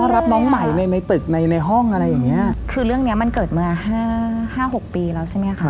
รับน้องใหม่ในในตึกในในห้องอะไรอย่างเงี้ยคือเรื่องเนี้ยมันเกิดมาห้าห้าหกปีแล้วใช่ไหมคะ